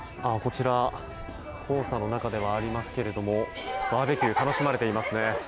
黄砂の中ではありますけどもバーベキューを楽しまれていますね。